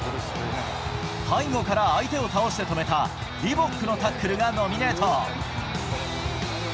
背後から相手を倒して止めた、リボックのタックルがノミネート。